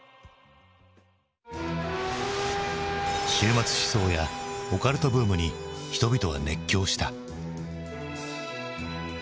終末思想やオカルトブームに人々は熱狂した。